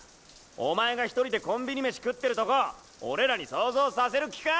お前がひとりでコンビニ飯食ってるとこ俺らに想像させる気か？